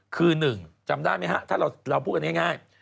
คือหนึ่งจำได้ไหมครับถ้าเราพูดอย่างง่าย